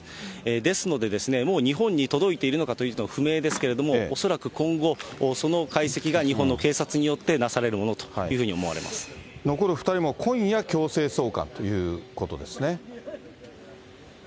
ですので、もう日本に届いているのかというのは不明ですけれども、恐らく今後、その解析が日本の警察によってなされるものというふうに思わ残る２人も、今夜、強制送還ということですね。